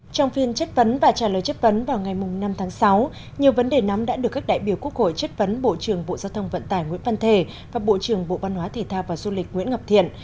trong phiên chất vấn và trả lời chất vấn vào ngày năm tháng sáu nhiều vấn đề nắm đã được các đại biểu quốc hội chất vấn bộ trưởng bộ giao thông vận tải nguyễn văn thể và bộ trưởng bộ văn hóa thể thao và du lịch nguyễn ngọc thiện